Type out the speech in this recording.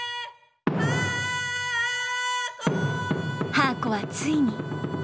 はーこはついに。